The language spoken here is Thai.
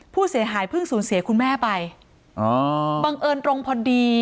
ผู้เสียหายเพิ่งสูญเสียคุณแม่ไปอ๋อบังเอิญตรงพอดี